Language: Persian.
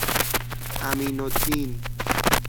امینالدین